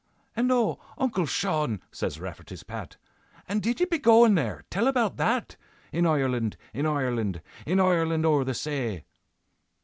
'" "And oh! Uncle Shaun," says Rafferty's Pat, "And did ye be goin' there? tell about that, In Ireland, in Ireland, In Ireland o'er the say!"